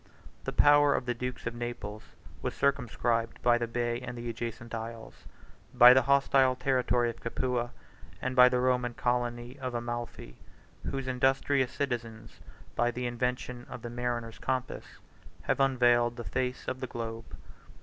The power of the dukes of Naples was circumscribed by the bay and the adjacent isles, by the hostile territory of Capua, and by the Roman colony of Amalphi, 35 whose industrious citizens, by the invention of the mariner's compass, have unveiled the face of the globe.